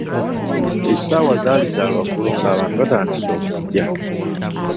Essaawa zaali za lwagguloggulo ng'abantu batandise okugya.